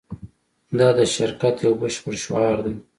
دا د شرکت یو بشپړ شعار دی